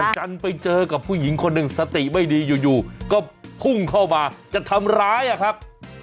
จันทร์ไปเจอกับผู้หญิงคนหนึ่งสติไม่ดีอยู่ก็พุ่งเข้ามาจะทำร้ายอะครับ